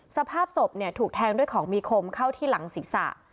สภาพศพถูกแทงด้วยของมีคมเข้าที่หลังศีรษะ